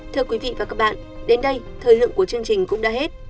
thưa quý vị và các bạn đến đây thời lượng của chương trình cũng đã hết